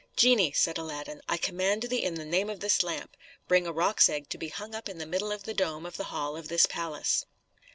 "Genie," said Aladdin, "I command thee in the name of this lamp, bring a roc's egg to be hung up in the middle of the dome of the hall of the palace."